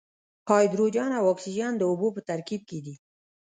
هایدروجن او اکسیجن د اوبو په ترکیب کې دي.